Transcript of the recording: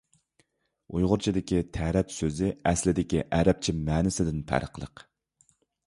ئۇيغۇرچىدىكى «تەرەت» سۆزى ئەسلىدىكى ئەرەبچە مەنىسىدىن پەرقلىق.